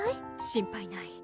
心配ない。